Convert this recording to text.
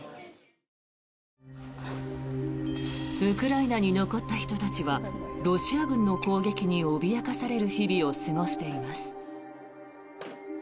ウクライナに残った人たちはロシア軍の攻撃に脅かされる日々を過ごしています。